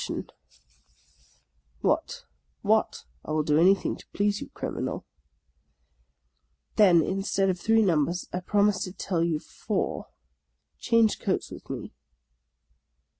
He opened his stupid eyes. " What, what ? I will do anything to please you, Crim inal." " Then instead of three numbers I promise to tell you four. Change coats with me."